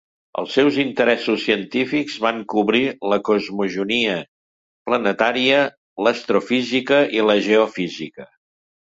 Els seus interessos científics van cobrir la cosmogonia planetària, l'astrofísica i la geofísica.